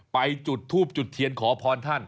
จุดทูบจุดเทียนขอพรท่าน